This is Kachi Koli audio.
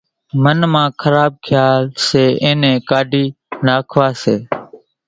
ان من مان خراٻ کيال سي اينيان نين ڪاڍي ناکوا سي